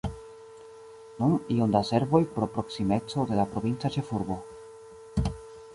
Nun iom da servoj pro proksimeco de la provinca ĉefurbo.